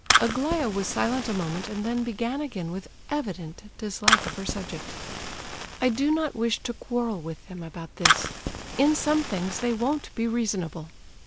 Aglaya was silent a moment and then began again with evident dislike of her subject: "I do not wish to quarrel with them about this; in some things they won't be reasonable.